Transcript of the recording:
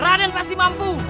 raden pasti mampu